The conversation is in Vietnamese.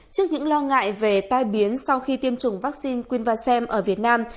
trước những lo ngại về tai biến sau khi tiêm chủng vaccine quynh vasem ở việt nam